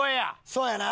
そうやな。